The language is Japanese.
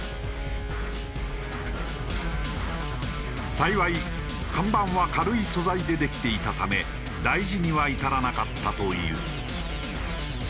幸い看板は軽い素材でできていたため大事には至らなかったという。